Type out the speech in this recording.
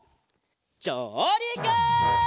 じょうりく！